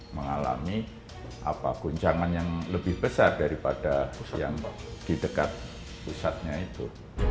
mengalami guncangan yang lebih besar daripada yang di dekat pusatnya itu